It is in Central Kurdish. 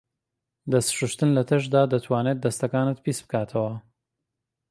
دەست شوشتن لە تەشتدا دەتوانێت دەستەکان پیسبکاتەوە.